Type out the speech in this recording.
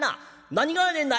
「何がやねんな」。